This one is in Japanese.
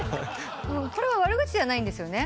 これは悪口じゃないんですよね？